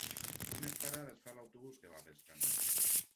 Quines parades fa l'autobús que va a Bescanó?